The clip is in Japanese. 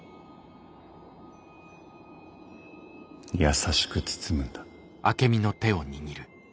優しく包むんだ。